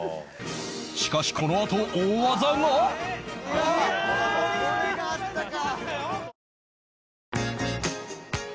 しかしこのあと大技がいやあ！これがあったか！